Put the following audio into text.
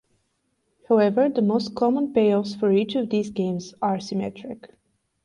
However, the most common payoffs for each of these games are symmetric.